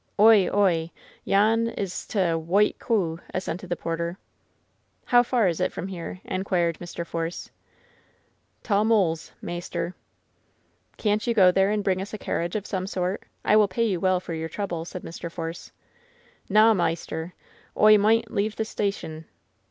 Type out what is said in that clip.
"Oie, oie, yon 's t' Whoit Coo," assented the porter. "How far is it from here ?" inquired Mr. Force. "Taw mulls, maister." "Can you go there and bring us a carriage of some ? I will pay you well for your trouble," said Mr. Force. "Naw, maister. Oi' mawn't leave t' stution."